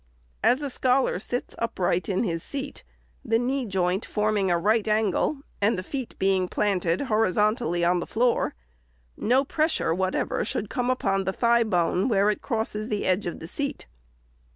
As a scholar sits upright in his seat, the knee joint forming a right angle, and the feet being planted horizon tally on the floor, no pressure what ever should come upon the thigh bone where it crosses 458 REPORT OF THE SECRETARY the edge of the seat.